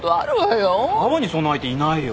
紗和にそんな相手いないよ。